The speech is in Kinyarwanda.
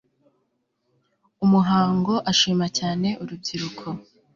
umuhango ashima cyane urubyiruko